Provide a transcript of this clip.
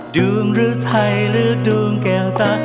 ดวงหรือไทยหรือดวงแก้วตา